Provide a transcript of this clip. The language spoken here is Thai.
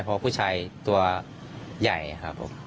เพราะผู้ชายตัวใหญ่ครับผม